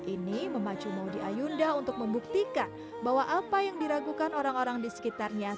ini memacu maudie ayunda untuk membuktikan bahwa apa yang diragukan orang orang di sekitarnya